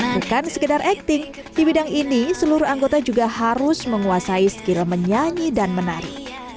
bukan sekedar acting di bidang ini seluruh anggota juga harus menguasai skill menyanyi dan menari